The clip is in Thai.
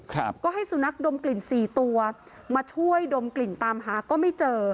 ครับก็ให้สุนัขดมกลิ่นสี่ตัวมาช่วยดมกลิ่นตามหาก็ไม่เจอ